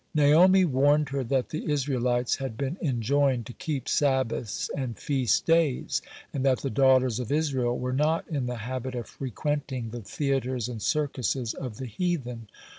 Naomi warned her that the Israelites had been enjoined to keep Sabbaths and feast days, (45) and that the daughters of Israel were not in the habit of frequenting the threatres and circuses of the heathen.